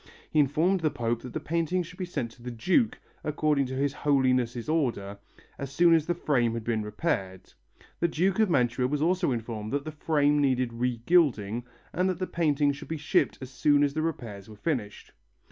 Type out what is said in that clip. He informed the Pope that the painting should be sent to the Duke, according to His Holiness' orders, as soon as the frame had been repaired. The Duke of Mantua was also informed that the frame needed regilding and that the painting should be shipped as soon as the repairs were finished.